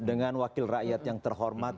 dengan wakil rakyat yang terhormat